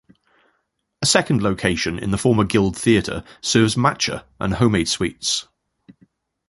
A second location in the former Guild Theatre serves matcha and homemade sweets.